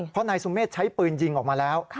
เพราะนายสุเมฆใช้ปืนยิงออกมาแล้ว